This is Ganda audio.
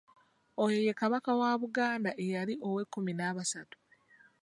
Oyo ye Kabaka wa Buganda eyali ow'ekkumi n’abasatu.